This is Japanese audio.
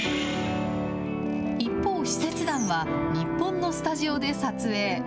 一方、使節団は日本のスタジオで撮影。